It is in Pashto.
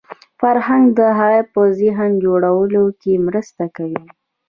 فرهنګ د هغه په ذهن جوړولو کې مرسته کوي